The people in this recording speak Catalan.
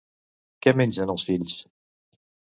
Què mengen els fills?